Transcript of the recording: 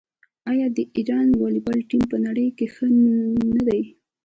آیا د ایران والیبال ټیم په نړۍ کې ښه نه دی؟